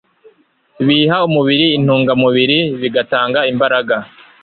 Biha umubiri intungamubiri, bigatanga imbaraga